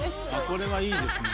これはいいですね。